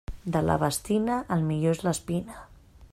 De la bastina, el millor és l'espina.